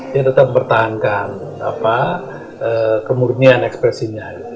dia tetap mempertahankan kemurnian ekspresinya